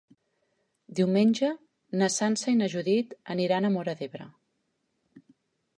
Diumenge na Sança i na Judit aniran a Móra d'Ebre.